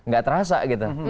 gak terasa gitu